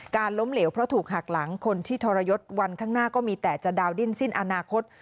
ล้มเหลวเพราะถูกหักหลังคนที่ทรยศวันข้างหน้าก็มีแต่จะดาวดิ้นสิ้นอนาคต